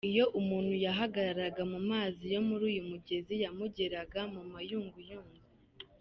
Iyo umuntu yahagararaga mu mazi yo muri uyu mugezi, yamugeraga mu mayunguyungu.